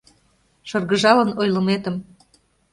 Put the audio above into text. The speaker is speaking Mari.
Шыргыжалын ойлыметым